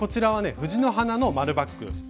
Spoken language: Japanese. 藤の花の丸バッグ。